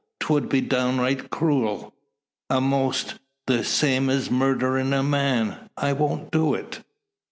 'Twould be downright cruel. A'most the same as murderin' a man. I wont do it."